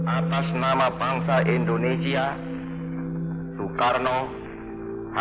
atas nama bangsa indonesia soekarno hatta